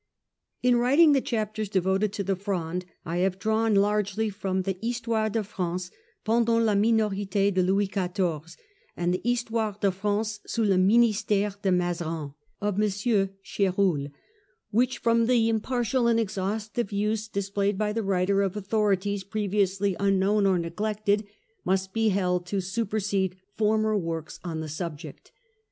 In writing the chapters devoted to the Fronde, I have drawn largely from the 4 Histoire de France pendant la Minorite de Louis XIV 7 and the 'His toire de France sous le Ministfere de Mazarin, 7 of M. Ch6ruel, which from the impartial and exhaustive use displayed by the writer of authorities previously unknown or neglected must be held to supersede former works on the subject.